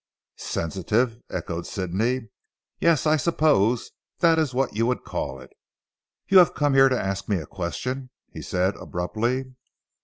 "Sensitive," echoed Sidney, "yes! I suppose that is what you would call it. You have come here to ask me a question?" he said abruptly.